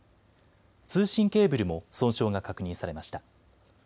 通信ケーブルも損傷が確認されました。